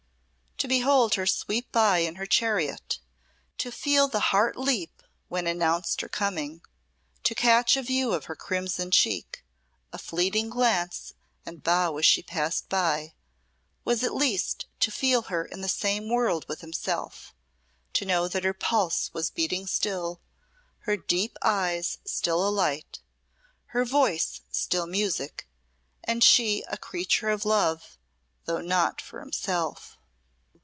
To behold her sweep by in her chariot, to feel the heart leap which announced her coming, to catch a view of her crimson cheek, a fleeting glance and bow as she passed by, was at least to feel her in the same world with himself, to know that her pulse was beating still, her deep eyes still alight, her voice still music, and she a creature of love, though not for himself.